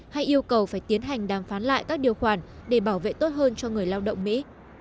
hay yêu cầu phải tiến hành đàm phán lại các điều khoản để bảo vệ tốt hơn cho người lao động mỹ